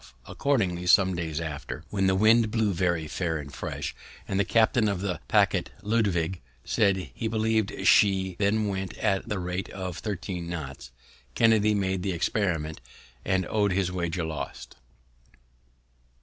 Accordingly some days after, when the wind blew very fair and fresh, and the captain of the paquet, Lutwidge, said he believ'd she then went at the rate of thirteen knots, Kennedy made the experiment, and own'd his wager lost.